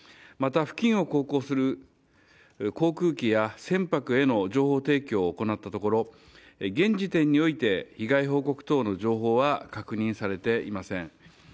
また付近を航行する航空機や船舶への情報提供を行ったところ現時点において、被害報告等の情報は確認されていません。